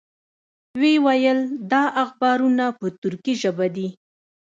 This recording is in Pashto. وې ویل دا اخبارونه په تُرکي ژبه دي.